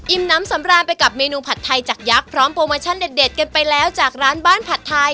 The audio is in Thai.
น้ำสำราญไปกับเมนูผัดไทยจากยักษ์พร้อมโปรโมชั่นเด็ดกันไปแล้วจากร้านบ้านผัดไทย